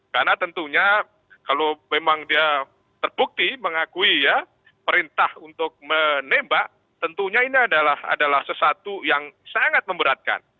karena tentunya kalau memang dia terbukti mengakui ya perintah untuk menembak tentunya ini adalah sesatu yang sangat memberatkan